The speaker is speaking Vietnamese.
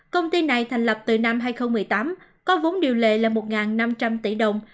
công ty này thành lập từ năm hai nghìn một mươi tám có vốn điều lệ là một năm trăm linh tỷ đồng